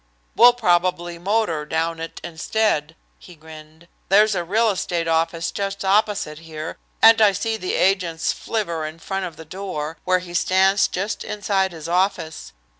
"We'll probably motor down it instead," he grinned. "There's a real estate office just opposite here, and I see the agent's flivver in front of the door, where he stands just inside his office.